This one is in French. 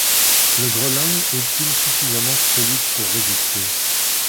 Le grelin est-il suffisamment solide pour résister?